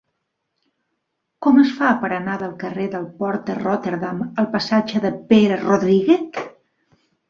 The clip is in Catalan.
Com es fa per anar del carrer del Port de Rotterdam al passatge de Pere Rodríguez?